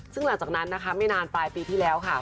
ซึ่งหลังจากนั้นนะคะไม่นานปลายปีที่แล้วค่ะ